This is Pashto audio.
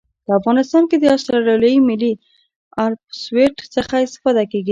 په افغانستان کې د اسټرلیایي ملي الپسویډ څخه استفاده کیږي